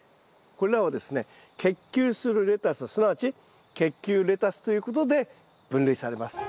これらはですね結球するレタスすなわち結球レタスということで分類されます。